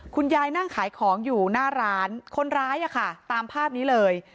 คุณยายนั่งขายของอยู่หน้าร้านคนร้ายอะค่ะตามภาพนี้เลย